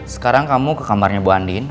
sekarang kamu ke kamarnya bu andin